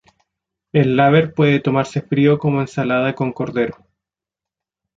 El "laver" puede tomarse frío como ensalada con cordero.